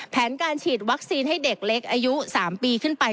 แผนการฉีดวัคซีนให้เด็กเล็กอายุ๓ปีขึ้นไป